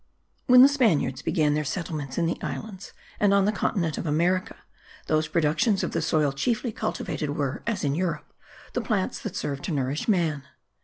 When the Spaniards began their settlements in the islands and on the continent of America those productions of the soil chiefly cultivated were, as in Europe, the plants that serve to nourish man.